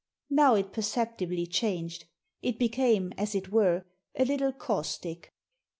Now it perceptibly changed. It became, as it were, a little caustic